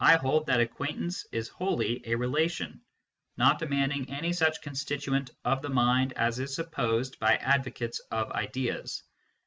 hold that acquaintance is wholly a relation, not demanding any such constituent of the mind as is supposed by advocates of " ideas."